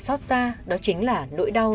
xót ra đó chính là nỗi đau